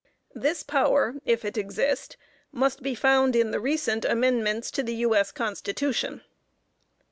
This power, if it exist, must be found in the recent Amendments to the U.S. Constitution.